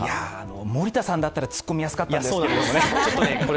森田さんだったら突っ込みやすかったんですけれども。